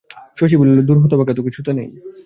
শশী বলিল, দূর হতভাগা, তোকে ছুতে নেই।